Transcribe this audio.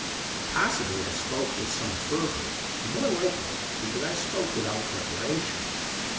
Possibly I spoke with some fervour; the more likely, because I spoke without preparation.